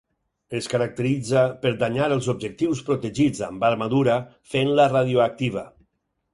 Es caracteritza per danyar els objectius protegits amb armadura fent-la radioactiva.